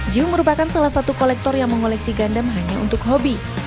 jung merupakan salah satu kolektor yang mengoleksi gundem hanya untuk hobi